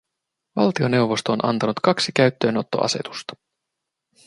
Valtioneuvosto on antanut kaksi käyttöönottoasetusta.